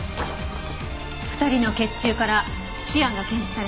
２人の血中からシアンが検出されました。